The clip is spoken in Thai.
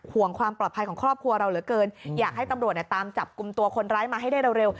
ห่วงความปลอดภัยของครอบครัวเราเหลือเกินอยากให้ตำรวจตามจับกลุ่มตัวคนร้ายมาให้ได้เร็ว